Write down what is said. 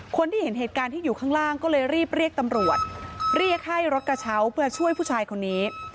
คนที่เห็นเหตุการณ์ที่อยู่ข้างล่างก็เลยรีบเรียกตำรวจเรียกให้รถกระเช้าเพื่อช่วยผู้ชายคนนี้